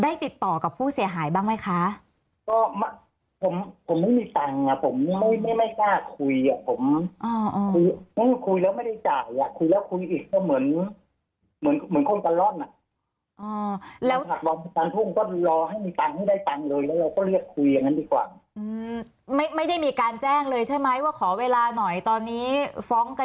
ได้ติดต่อกับผู้เสียหายบ้างไหมคะก็ไม่ผมผมไม่มีตังค์อ่ะ